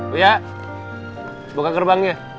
buya buka gerbangnya